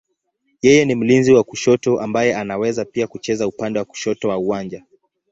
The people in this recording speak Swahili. Yeye ni mlinzi wa kushoto ambaye anaweza pia kucheza upande wa kushoto wa uwanja.